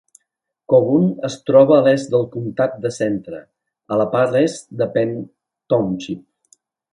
Coburn es troba a l'est del comptat de Centre, a la part est de Penn Township.